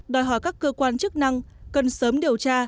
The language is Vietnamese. đòi hỏi các cơ quan chức năng cần sớm điều tra